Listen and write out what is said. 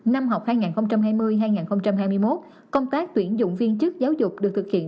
năm học hai nghìn hai mươi hai nghìn hai mươi một công tác tuyển dụng viên chức giáo dục được thực hiện